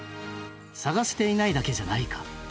探せていないだけじゃないか。